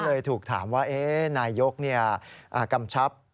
ก็เลยถูกถามว่านายยกรัฐมนตรีกำชับ